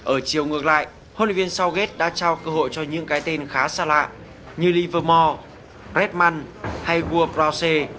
ở chiều ngược lại huấn luyện viên southgate đã trao cơ hội cho những cái tên khá xa lạ như livermore redman hay gourbrowse